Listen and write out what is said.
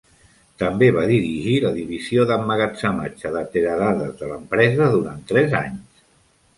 També va dirigir la divisió d'emmagatzematge de teradades de l'empresa durant tres anys.